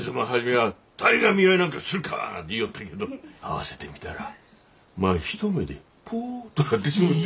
あ誰が見合いなんかするか言ようったけど会わせてみたらまあ一目でポッとなってしもうて。